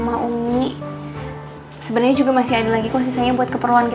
mister yusuf al fahmiah betul gimana perjalanannya